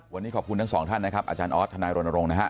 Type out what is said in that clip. วันนี้ขอบคุณทั้งสองท่านนะครับอาจารย์ออสทนายรณรงค์นะฮะ